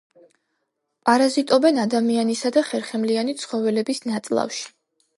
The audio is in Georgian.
პარაზიტობენ ადამიანისა და ხერხემლიანი ცხოველების ნაწლავში.